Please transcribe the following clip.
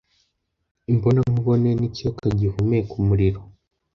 imbonankubone nikiyoka gihumeka umuriro